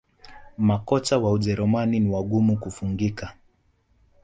Makocha wa Ujerumani ni wagumu kufungika